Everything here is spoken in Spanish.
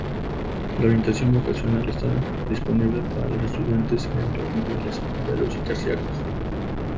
La orientación vocacional está disponible para los estudiantes en los niveles secundarios y terciarios.